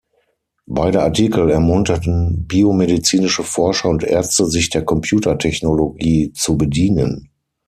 Beide Artikel ermunterten biomedizinische Forscher und Ärzte, sich der Computer-Technologie zu bedienen.